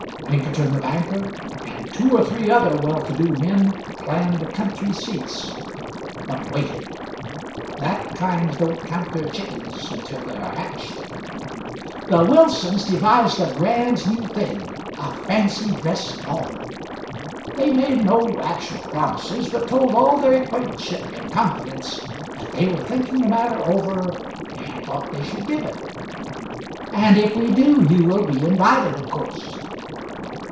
Pinkerton the banker and two or three other well to do men planned country seats but waited. That kind don't count their chickens until they are hatched. The Wilsons devised a grand new thing a fancy dress ball. They made no actual promises, but told all their acquaintanceship in confidence that they were thinking the matter over and thought they should give it "and if we do, you will be invited, of course."